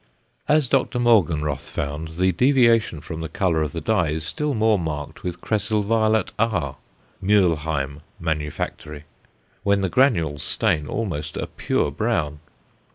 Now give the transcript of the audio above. As Dr Morgenroth found, the deviation from the colour of the dye is still more marked with Kresyl violet R (Mülheim manufactory), when the granules stain almost a pure brown.